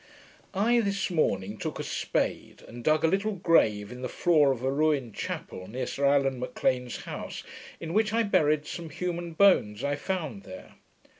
I this morning took a spade, and dug a little grave in the floor of a ruined chapel, near Sir Allan M'Lean's house, in which I buried some human bones I found there.